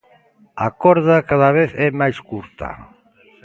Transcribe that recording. A corda cada vez é máis curta.